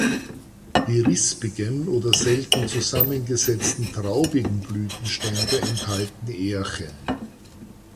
Die rispigen oder selten zusammengesetzten traubigen Blütenstände enthalten Ährchen.